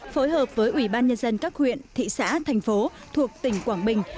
phối hợp với ubnd các huyện thị xã thành phố thuộc tỉnh quảng bình